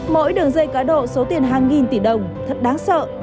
mỗi đường dây cá độ số tiền hàng nghìn tỷ đồng thật đáng sợ